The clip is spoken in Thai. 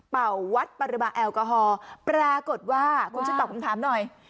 วัดปริมาณแอลกอฮอล์ปรากฏว่าคุณช่วยตอบคำถามหน่อย